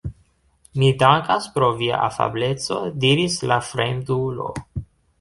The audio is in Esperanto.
Mi dankas pro via afableco, diris la fremdulo.